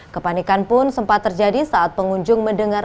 kepanikan pun sempat terjadi saat pengunjung mendengar